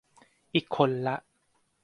อีกคนละ